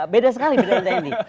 beda sekali beda dengan tni